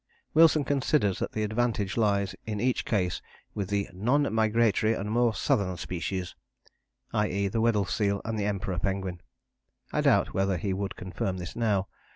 " Wilson considers that the advantage lies in each case with the "non migratory and more southern species," i.e. the Weddell seal and the Emperor penguin. I doubt whether he would confirm this now.